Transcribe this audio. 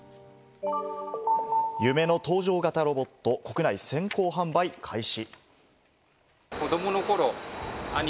夢の搭乗型ロボット、国内先行販売開始。